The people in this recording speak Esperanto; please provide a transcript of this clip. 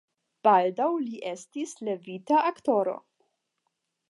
Baldaŭ li estis levita aktoro.